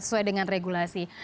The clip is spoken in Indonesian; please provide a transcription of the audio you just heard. sesuai dengan regulasi